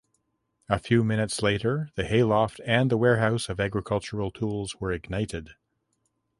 A few minutes later the hayloft and the warehouse of agricultural tools were ignited.